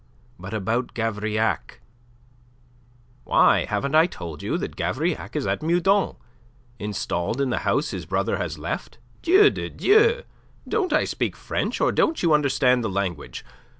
"But about Gavrillac?" "Why, haven't I told you that Gavrillac is at Meudon, installed in the house his brother has left? Dieu de Dieu! Don't I speak French or don't you understand the language?